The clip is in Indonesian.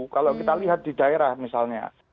kalau kita lihat di daerah misalnya